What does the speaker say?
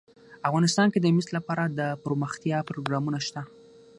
افغانستان کې د مس لپاره دپرمختیا پروګرامونه شته.